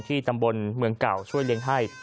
ตำบลเมืองเก่าช่วยเลี้ยงให้